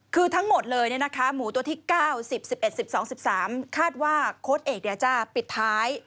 คือทั้งหมดเลยหมูตัวที่๙๐๑๑๑๒๑๓คาดว่าโค้ดเอกจะปิดท้าย